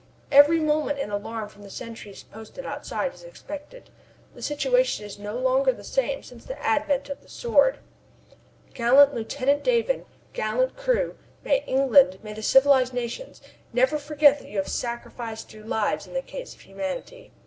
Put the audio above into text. Every moment an alarm from the sentries posted outside is expected. The situation is no longer the same since the advent of the Sword. Gallant Lieutenant Davon, gallant crew, may England, may the civilized nations, never forget that you have sacrificed your lives in the cause of humanity!